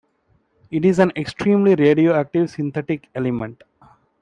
It is an extremely radioactive synthetic element.